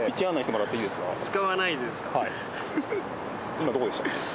今どこでしたっけ？